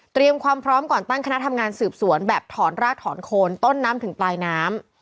ความพร้อมก่อนตั้งคณะทำงานสืบสวนแบบถอนรากถอนโคนต้นน้ำถึงปลายน้ำ